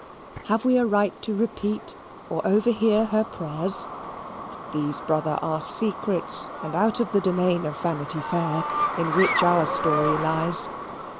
Have we a right to repeat or to overhear her prayers? These, brother, are secrets, and out of the domain of Vanity Fair, in which our story lies.